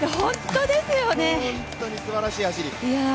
本当にすばらしい走り。